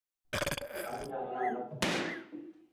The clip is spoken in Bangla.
আমি জানি না ওটা আসলে কি ছিল।